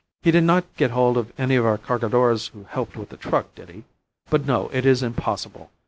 He did not get hold of any of our Cargadores who helped with the truck, did he? But no, it is impossible!